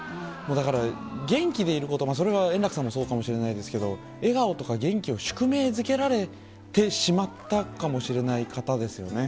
だから、元気でいること、それは、円楽さんもそうかもしれないですけど、笑顔とか元気を宿命づけられてしまったかもしれない方ですよね。